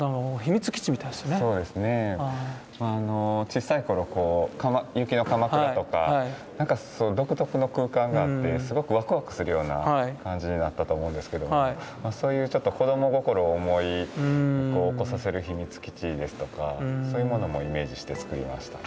小さい頃雪のかまくらとか独特の空間があってすごくワクワクするような感じになったと思うんですけどそういうちょっと子供心を思い起こさせる秘密基地ですとかそういうものもイメージして作りました。